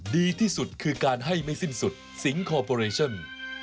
ดีที่สุดคือการให้ไม่สิ้นสุดสิงคอร์ปอเรชั่น